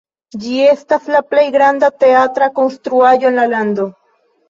Ĝi estas la plej granda teatra konstruaĵo en la lando.